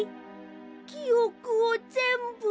きおくをぜんぶ。